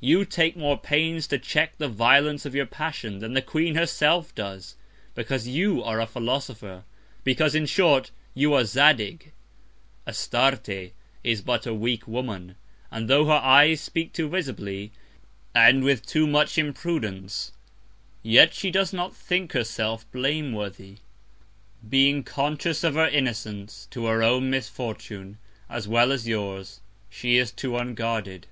You take more Pains to check the Violence of your Passion, than the Queen herself does; because you are a Philosopher; because, in short, you are Zadig; Astarte is but a weak Woman; and tho' her Eyes speak too visibly, and with too much Imprudence; yet she does not think her self blame worthy. Being conscious of her Innocence, to her own Misfortune, as well as yours, she is too unguarded.